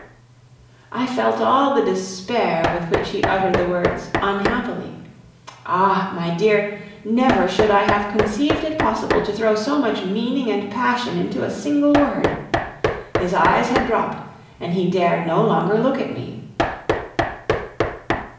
I felt all the despair with which he uttered the word "unhappily." Ah! my dear, never should I have conceived it possible to throw so much meaning and passion into a single word. His eyes had dropped, and he dared no longer look at me.